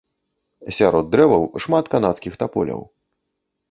Сярод дрэваў шмат канадскіх таполяў.